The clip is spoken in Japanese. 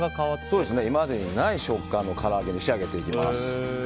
今までにない食感のから揚げに仕上げていきます。